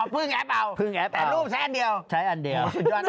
พึ่งไงเปล่าแต่รูปใช้อันเดียวใช้อันเดียว